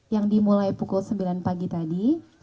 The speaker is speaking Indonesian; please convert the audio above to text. yang dimulai pukul sembilan pagi tadi